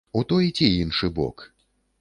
У той ці іншы бок.